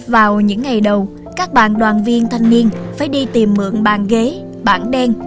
vào những ngày đầu các bạn đoàn viên thanh niên phải đi tìm mượn bàn ghế bảng đen